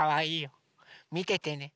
みててね。